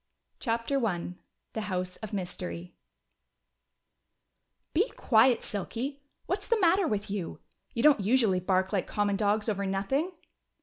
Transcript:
CHAPTER I The House of Mystery "Be quiet, Silky! What's the matter with you? You don't usually bark like common dogs over nothing!"